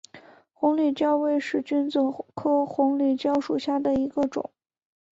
红里蕉为使君子科红里蕉属下的一个种。